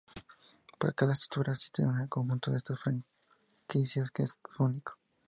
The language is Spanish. Para cada estructura existe un conjunto de estas frecuencias que es único.